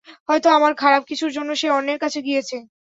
হয়তো আমার খারাপ কিছুর জন্য সে অন্যের কাছে গিয়েছে।